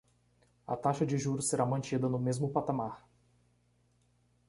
A taxa de juros será mantida no mesmo patamar